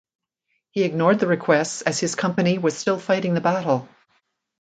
He ignored the requests as his company was still fighting the battle.